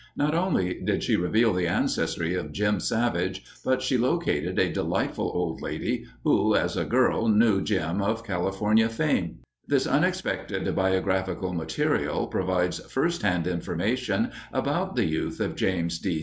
Not only did she reveal the ancestry of Jim Savage, but she located a "delightful old lady" who, as a girl, knew Jim of California fame. This unexpected biographical material provides firsthand information about the youth of James D.